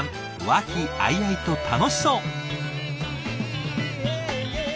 和気あいあいと楽しそう！